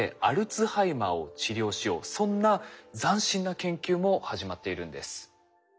そんな斬新な研究も始まっているんです。